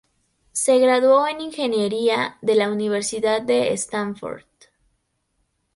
Se graduó en ingeniería de la Universidad de Stanford.